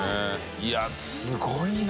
いすごいな。